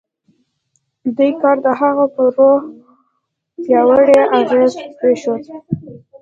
دې کار د هغه پر روح پیاوړی اغېز پرېښود